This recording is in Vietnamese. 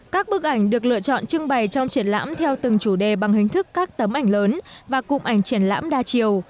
các bức ảnh được lựa chọn trưng bày trong triển lãm theo từng chủ đề bằng hình thức các tấm ảnh lớn và cụm ảnh triển lãm đa chiều